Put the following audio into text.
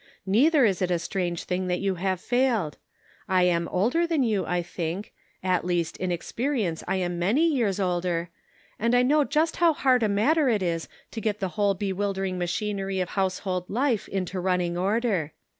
Neither is it a strange thing that you have failed. I am older than you, I think — at least in expe rience I am many years older — and I know just how hard a matter it is to get the whole be wildering machinery of household life into run ning order.